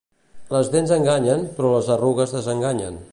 Les dents enganyen, però les arrugues desenganyen.